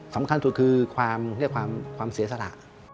สำคัญสุดคือความเสียสละ